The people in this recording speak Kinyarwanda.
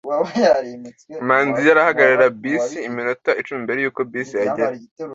manzi yari ahagarara bisi iminota icumi mbere yuko bisi ihagera